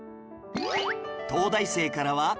東大生からは